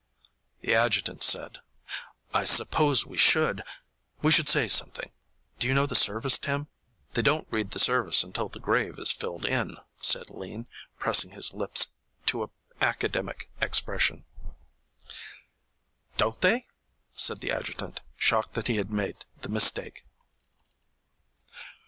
The adjutant said, "I suppose we should we should say something. Do you know the service, Tim?" "They don't read the service until the grave is filled in," said Lean, pressing his lips to an academic expression. "Don't they?" said the adjutant, shocked that he had made the mistake.